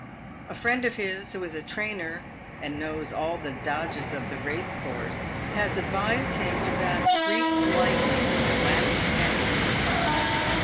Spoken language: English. A friend of his, who is a trainer, and knows all the " dodges" of the PAVED WITH GOLD. 217 race course, has advised him to back Greased Lightning to the last penny in his pocket.